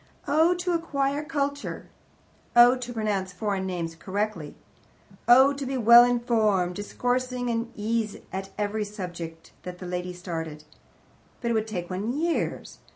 Oh to acquire culture! Oh, to pronounce foreign names correctly! Oh, to be well informed, discoursing at ease on every subject that a lady started! But it would take one years.